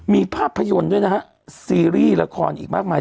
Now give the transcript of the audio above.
มีภาพยนตร์ด้วยนะฮะซีรีส์ละครอีกมากมาย